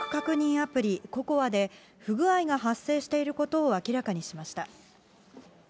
アプリ、ＣＯＣＯＡで、不具合が発生していることを明らかにしました。